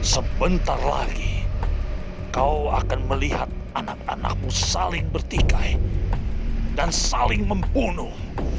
sebentar lagi kau akan melihat anak anakmu saling bertikai dan saling membunuh